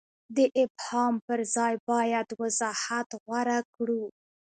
د ابهام پر ځای باید وضاحت غوره کړو.